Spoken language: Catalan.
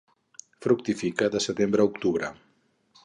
Fructifica de setembre a octubre.